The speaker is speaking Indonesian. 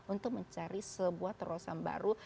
untuk mencari sebuah terosan baru